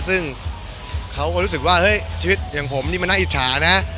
ซึ่งเขาก็รู้สึกว่าเฮ้ยชีวิตอย่างผมนี่มันน่าอิจฉานะ